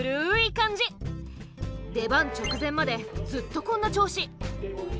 出番直前までずっとこんな調子。